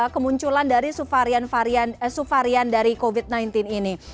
kemunculan dari subvarian dari covid sembilan belas ini